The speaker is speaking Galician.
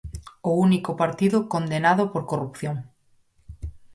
O único partido condenado por corrupción.